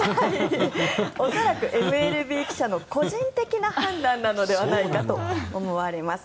恐らく、ＭＬＢ記者の個人的な判断ではないかと思われます。